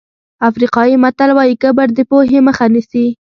افریقایي متل وایي کبر د پوهې مخه نیسي.